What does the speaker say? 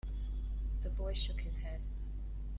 The boy shook his head.